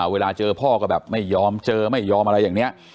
เวลาเจอพ่อก็แบบไม่ยอมเจอไม่ยอมอะไรอย่างนี้